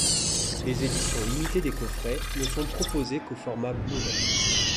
Les éditions limitées des coffrets ne sont proposées qu’au format Blu-ray.